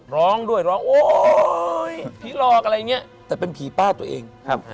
ร้องด้วยร้องโอ๊ยผีหลอกอะไรอย่างเงี้ยแต่เป็นผีป้าตัวเองครับ